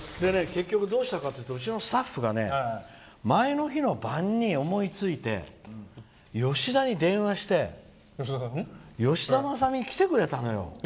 結局どうしたかっていうとうちのスタッフが前の日の晩に思いついて吉田に電話して吉田政美が来てくれたのよ。